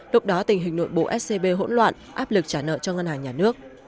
lúc đó tình hình nội bộ scb hỗn loạn áp lực trả nợ cho ngân hàng nhà nước